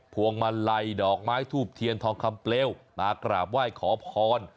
พวงมาลัยดอกไม้ทูบเทียนทองคำเปลวมากราบไหว้ขอพร